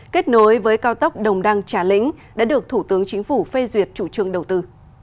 kết nối với cao tốc đồng đăng trà lĩnh đã được thủ tướng chính phủ phê duyệt chủ trương đầu tư